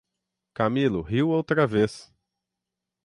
Camilo riu outra vez: